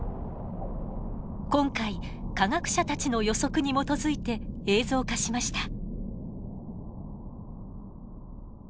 今回科学者たちの予測に基づいて映像化しました。